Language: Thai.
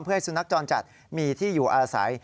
เพื่อให้สุนัขจรจัดมีที่อยู่อาศัย